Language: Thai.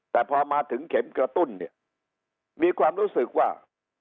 แต่พอมาถึงเข็มกระตุ้นเนี่ยมีความรู้สึกว่า